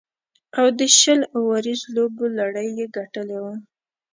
او د شل اوریزو لوبو لړۍ یې ګټلې وه.